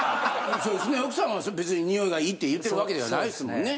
そうですね奥さんは別に匂いがいいって言ってるわけではないですもんね。